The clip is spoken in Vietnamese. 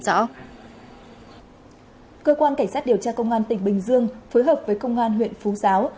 cơ quan cảnh sát điều tra công an tỉnh bình dương phối hợp với công an huyện phú giáo